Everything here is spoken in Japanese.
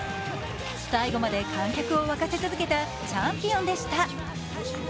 最後まで観客を沸かせ続けたチャンピオンでした。